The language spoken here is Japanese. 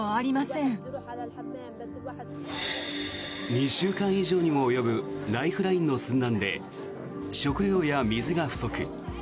２週間以上にも及ぶライフラインの寸断で食料や水が不足。